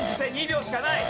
２秒しかない。